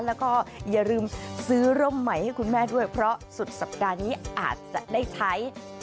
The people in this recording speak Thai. แล้วก็อย่าลืมซื้อร่มใหม่ให้คุณแม่ด้วยเพราะสุดสัปดาห์นี้อาจจะได้ใช้